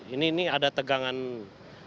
ini ada tegangan yang akibat ini semen ini